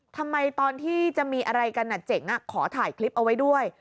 ทำไมตอนที่จะมีอะไรกันเจ๋งขอถ่ายคลิปเอาไว้ด้วย